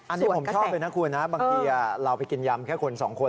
อันนี้ผมชอบเลยนะคุณนะบางทีเราไปกินยำแค่คนสองคน